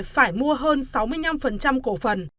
phải mua hơn sáu mươi năm cổ phần